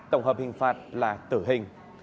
tổng hợp hình phạt là tử hình